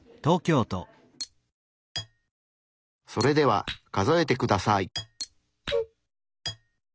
それでは数えてください。